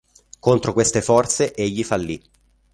Contro queste forze egli fallì.